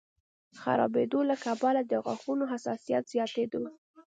خرابېدو له کبله د غاښونو حساسیت زیاتېدو